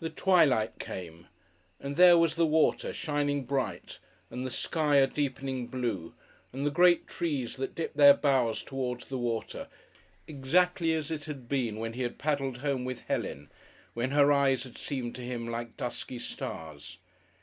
The twilight came. And there was the water, shining bright, and the sky a deepening blue, and the great trees that dipped their boughs towards the water, exactly as it had been when he paddled home with Helen, when her eyes had seemed to him like dusky stars.